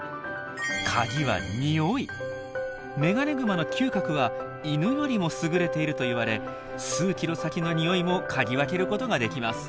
カギはメガネグマの嗅覚は犬よりも優れているといわれ数キロ先のニオイも嗅ぎ分けることができます。